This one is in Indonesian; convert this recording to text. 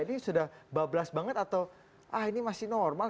ini sudah bablas banget atau ah ini masih normal